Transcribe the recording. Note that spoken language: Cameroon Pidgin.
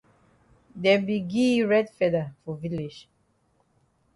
Dem be gi yi red feather for village.